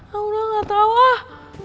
aku udah gak tau ah